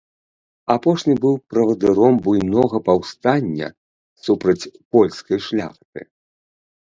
Апошні быў правадыром буйнога паўстання супраць польскай шляхты.